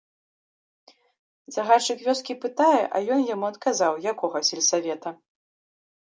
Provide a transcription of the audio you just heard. Загадчык вёскі пытае, а ён яму адказаў, якога сельсавета.